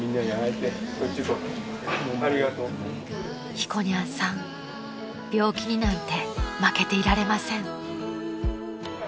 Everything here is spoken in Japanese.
［ひこにゃんさん病気になんて負けていられません］